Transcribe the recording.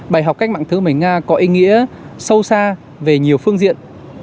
bài học cách mạng thứ một mươi nga có ý nghĩa sâu xa về nhiều phương diện